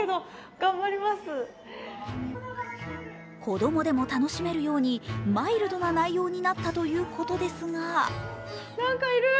子供でも楽しめるようにマイルドな内容になったということですが何かいる。